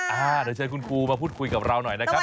เดี๋ยวเชิญคุณครูมาพูดคุยกับเราหน่อยนะครับ